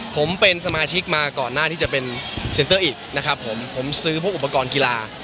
ผมเป็นสมาชิกมาก่อนหน้าที่จะเป็นเซ็นเตอร์อีกนะครับผมผมซื้อพวกอุปกรณ์กีฬา